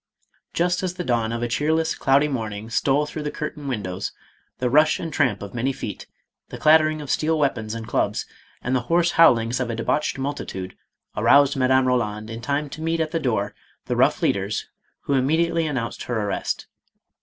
Just as the dawn of a cheerless cloudy morning stole through the curtained windows, the rush and tramp of many feet, the clattering of steel weapons and clubs, and the hoarse howlings of a debauched multitude aroused Madame Roland in time to meet at MADAME ROLAND. 513 the door the rough leaders who immediately announced her arrest.